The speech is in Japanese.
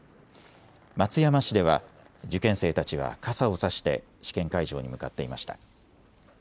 松山市では受験生たちは傘を差して試験会場に向かっていました。